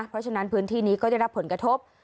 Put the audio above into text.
เพราะฉะนั้นพื้นที่นี้ก็ได้รับผลกระทบ